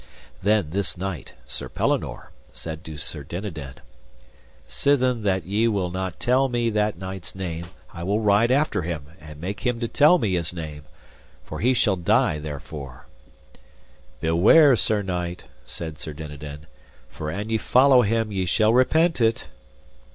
Then this knight, Sir Pellinore, said to Sir Dinadan: Sithen that ye will not tell me that knight's name I will ride after him and make him to tell me his name, or he shall die therefore. Beware, sir knight, said Sir Dinadan, for an ye follow him ye shall repent it.